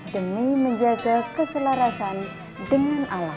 demi menjaga keselarasan dengan alam